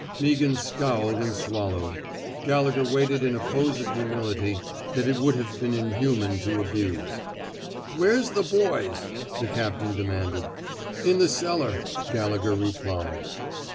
Meaghan scowled and swallowed. Galle gher waited in a pose of humility that it would have been inhuman to abuse. '' Where's the boys! " the captain de manded. ^^ In the cellar," Gallegher replied.